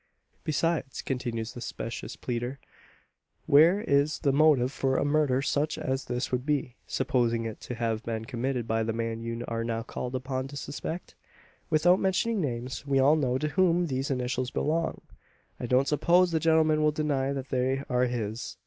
"Besides," continues the specious pleader, "where is the motive for a murder such as this would be supposing it to have been committed by the man you are now called upon to suspect? Without mentioning names, we all know to whom these initials belong. I don't suppose the gentleman will deny that they are his.